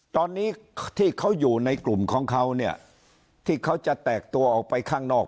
ตอนนี้ที่เขาอยู่ในกลุ่มของเขาเนี่ยที่เขาจะแตกตัวออกไปข้างนอก